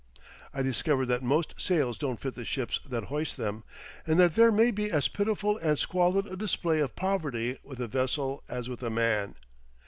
I discovered that most sails don't fit the ships that hoist them, and that there may be as pitiful and squalid a display of poverty with a vessel as with a man.